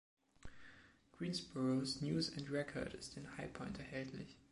Greensboros „News and Record“ ist in High Point erhältlich.